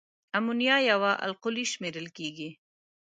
امونیا یوه القلي شمیرل کیږي.